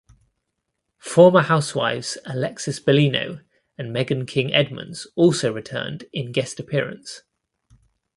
Former housewives Alexis Bellino and Meghan King Edmonds also returned in guest appearance.